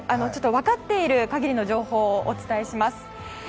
分かっている限りの情報をお伝えします。